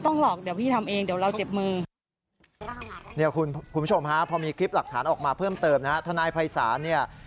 คุณผู้ชมฮะพอมีคลิปหลักฐานออกมาเพิ่มเติมนะฮะทนายภัยศาลเนี่ย